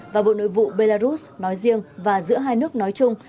và bộ nội vụ belarus nói riêng và giữa hai nước nói chung